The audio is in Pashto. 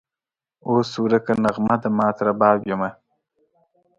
اوس ورکه نغمه د مات رباب یمه